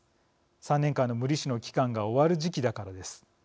３年間の無利子の期間が終わる時期だからです。